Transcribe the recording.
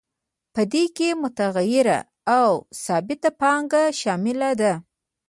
په دې کې متغیره او ثابته پانګه شامله ده